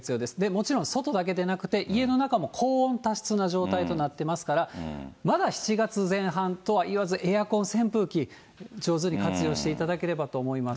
もちろん外だけでなくて、家の中も高温多湿な状態となってますから、まだ７月前半とはいわず、エアコン、扇風機、上手に活用していただければと思います。